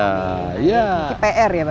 kpr ya bagi pak longga